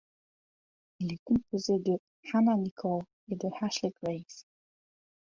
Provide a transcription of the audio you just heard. Il est composé de Hanna Nicole et de Ashley Grace.